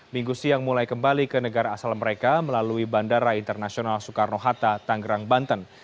minggu siang mulai kembali ke negara asal mereka melalui bandara internasional soekarno hatta tanggerang banten